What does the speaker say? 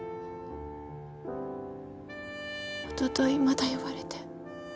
おとといまた呼ばれて。